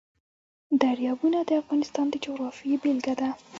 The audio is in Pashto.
دریابونه د افغانستان د جغرافیې بېلګه ده.